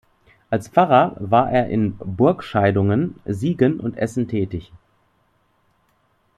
Als Pfarrer war er in Burgscheidungen, Siegen und Essen tätig.